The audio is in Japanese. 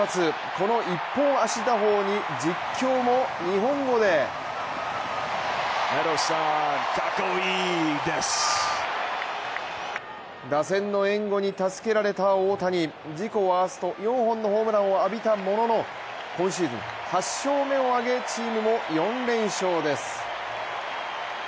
この一本足打法に実況も日本語で打線の援護に助けられた大谷、自己ワースト、４本のホームランを浴びたものの今シーズン８勝目を挙げチームも４連勝です。